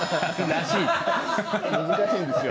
難しいんですよ。